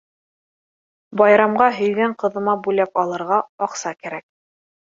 Байрамға һөйгән ҡыҙыма бүләк алырға аҡса кәрәк.